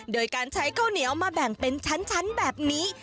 โดยการใช้ข้าวเหนียวมาแบ่งเป็นชั้นแบบนี้